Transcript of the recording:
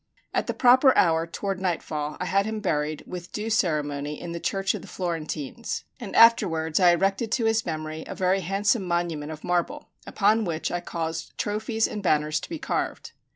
At the proper hour, toward nightfall, I had him buried with due ceremony in the Church of the Florentines; and afterwards I erected to his memory a very handsome monument of marble, upon which I caused trophies and banners to be carved.